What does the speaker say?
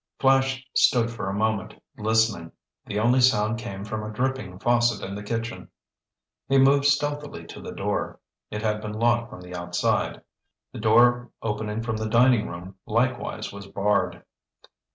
Flash stood for a moment, listening. The only sound came from a dripping faucet in the kitchen. He moved stealthily to the door. It had been locked from the outside. The door opening from the dining room likewise was barred.